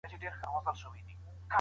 قضاوت به د ظالم په ژبه کیږي